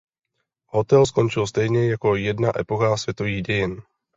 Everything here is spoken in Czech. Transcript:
Hotel skončil stejně jako jedna epocha světových dějin.